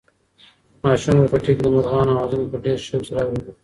ماشوم په پټي کې د مرغانو اوازونه په ډېر شوق سره اورېدل.